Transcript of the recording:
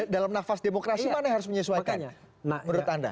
dalam nafas demokrasi mana yang harus menyesuaikannya menurut anda